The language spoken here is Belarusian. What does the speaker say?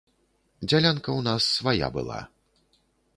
Дзялянка ў нас свая была.